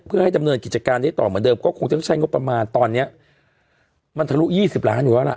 เพื่อให้ดำเนินกิจการได้ต่อเหมือนเดิมก็คงจะใช้งบประมาณตอนนี้มันทะลุ๒๐ล้านอยู่แล้วล่ะ